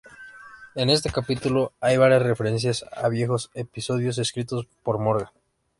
En este capítulo hay varias referencias a viejos episodios escritos por Morgan.